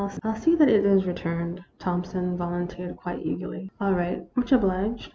" I '11 see that it is returned," Thompson volun teered, quite eagerly. " All right ; much obliged."